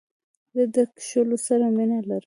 زه د کښلو سره مینه لرم.